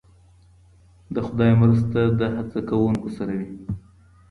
د خدای مرسته د هڅه کوونکو سره وي.